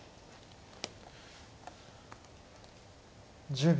１０秒。